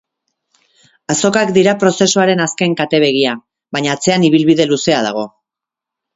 Azokak dira prozesuaren azken kate-begia, baina atzean ibilbide luzea dago.